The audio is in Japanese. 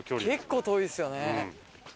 結構遠いですよね。